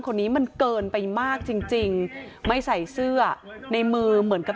คนนี้มันเกินไปมากจริงจริงไม่ใส่เสื้อในมือเหมือนกับ